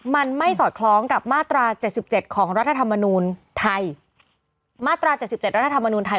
มันไม่สอดคล้องกับมาตราเจ็ดสิบเจ็ดของรัฐธรรมนูลไทยมาตราเจ็ดสิบเจ็ดรัฐธรรมนูลไทย